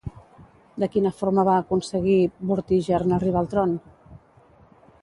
De quina forma va aconseguir Vortigern arribar al tron?